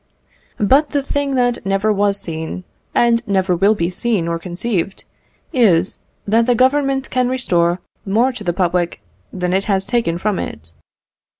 But the thing that never was seen, and never will be seen or conceived, is, that Government can restore more to the public than it has taken from it.